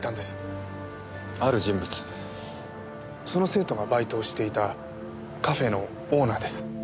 その生徒がバイトをしていたカフェのオーナーです。